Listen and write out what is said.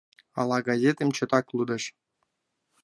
Ала газетым чотак лудеш?